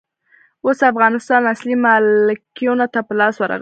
اوس افغانستان اصلي مالکينو ته په لاس ورغلئ.